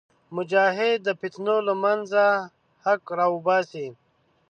مجاهد د فتنو له منځه حق راوباسي.